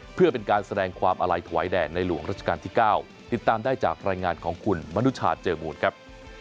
เพื่อเป็นการแสดงความอาลัยถวายแด่ในหลวงราชการที่๙ติดตามได้จากรายงานของคุณมนุชาเจอมูลครับ